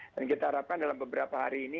dan kita harapkan dalam beberapa hari ini